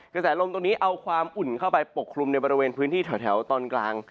กระแสลมตรงนี้เอาความอุ่นเข้าไปปกคลุมในบริเวณพื้นที่แถวตอนกลาง